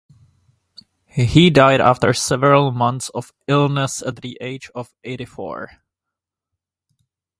He died after several months of illness at the age of eighty-four.